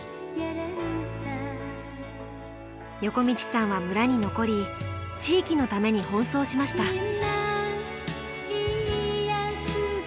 横道さんは村に残り地域のために奔走しました。